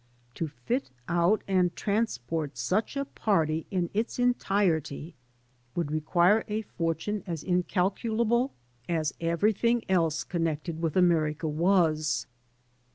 To fit out and transport such a party in its entirety would require a fortune as incalculable as 30 THE EXODUS everything else connected with America was.